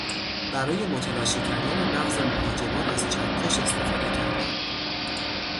برای متلاشی کردن مغز مهاجمان از چکش استفاده کردند.